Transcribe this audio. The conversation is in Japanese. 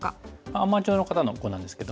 アマチュアの方の碁なんですけども。